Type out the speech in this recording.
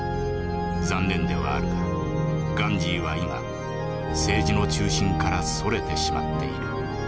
残念ではあるがガンジーは今政治の中心からそれてしまっている」。